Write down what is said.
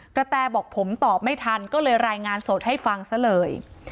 แตบอกผมตอบไม่ทันก็เลยรายงานสดให้ฟังซะเลย